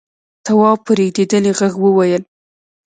تواب په رېږديدلي غږ وويل: